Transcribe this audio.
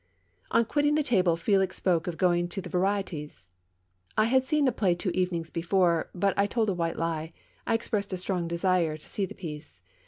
On quitting the table Felix spoke of going to the Varidtes. I had seen the play two evenings before; but I told a white lie — I expressed a strong desire to see the piece.